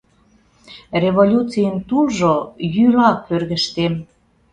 Революцийын тулжо йӱла кӧргыштем